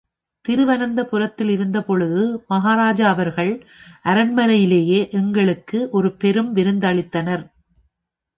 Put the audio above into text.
திருவனந்தபுரத்திலிருந்த பொழுது, மஹாராஜா அவர்கள் அரண்மனையிலேயே எங்களுக்கு ஒரு பெரும் விருந்தளித்தனர்.